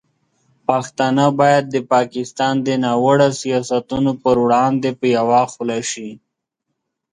پښتانه باید د پاکستان د ناوړه سیاستونو پر وړاندې په یوه خوله شي.